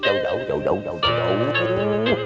jauh jauh jauh jauh jauh jauh